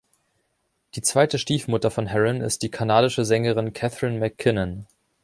Die zweite Stiefmutter von Harron ist die kanadische Sängerin Catherine McKinnon.